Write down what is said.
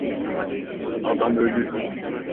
Adam ölü.